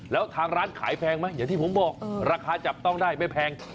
แล้วทางร้านขายแพงไหมอย่างที่ผมบอกราคาจับต้องได้ไม่แพง